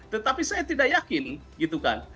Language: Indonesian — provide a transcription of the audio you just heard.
tetapi saya tidak yakin gitu kan